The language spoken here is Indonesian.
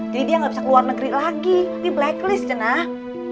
jadi dia nggak bisa ke luar negeri lagi di blacklist jenah